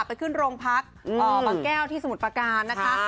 ไปขึ้นโรงพักบางแก้วที่สมุทรประการนะคะ